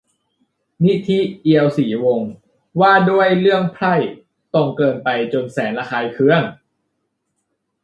นิธิ เอียวศรีวงศ์ : ว่าด้วย เรื่อง "ไพร่" ตรงเกินไปจนแสนระคายเคือง